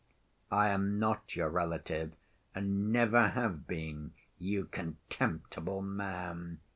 "I am not your relative and never have been, you contemptible man!"